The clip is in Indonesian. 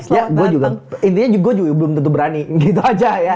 maksudnya gue juga intinya gue juga belum tentu berani gitu aja ya